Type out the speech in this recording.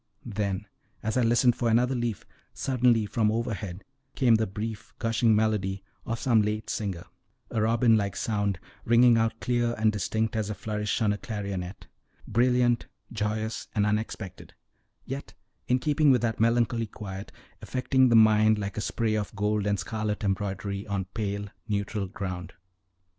Then, as I listened for another leaf, suddenly from overhead came the brief gushing melody of some late singer, a robin like sound, ringing out clear and distinct as a flourish on a clarionet: brilliant, joyous, and unexpected, yet in keeping with that melancholy quiet, affecting the mind like a spray of gold and scarlet embroidery on a pale, neutral ground.